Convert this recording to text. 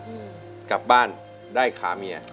อืมกลับบ้านได้คามียะ